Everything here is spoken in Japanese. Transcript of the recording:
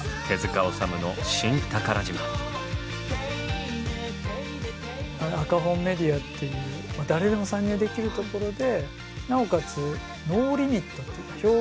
治虫の赤本メディアっていう誰でも参入できるところでなおかつノーリミットっていうか表現にノーリミットだったから。